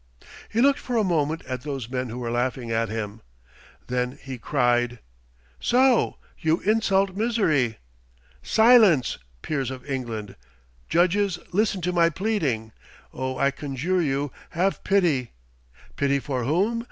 He looked for a moment at those men who were laughing at him. Then he cried, "So, you insult misery! Silence, Peers of England! Judges, listen to my pleading! Oh, I conjure you, have pity. Pity for whom?